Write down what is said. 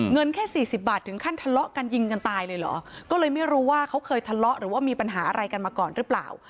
แค่สี่สิบบาทถึงขั้นทะเลาะกันยิงกันตายเลยเหรอก็เลยไม่รู้ว่าเขาเคยทะเลาะหรือว่ามีปัญหาอะไรกันมาก่อนหรือเปล่า